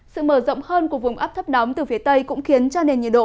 sự mở rộng hơn của vùng áp thấp nóng từ phía tây cũng khiến cho nền nhiệt độ